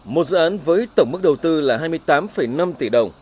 một dự án với tổng mức đầu tư là hai mươi tám năm tỷ đồng